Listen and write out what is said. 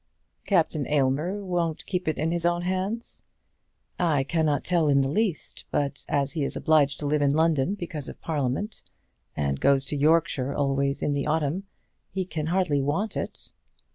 "Captain Aylmer won't keep it in his own hands?" "I cannot tell in the least; but as he is obliged to live in London because of Parliament, and goes to Yorkshire always in the autumn, he can hardly want it."